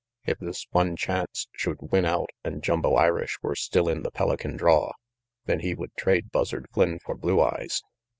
If this one chance should win out and Jumbo Irish were still in the Pelican draw, then he would trade Buzzard Flynn for Blue Eyes.